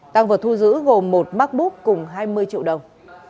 tăng vật thu giữ gồm một mắc bút cùng hai mươi triệu đồng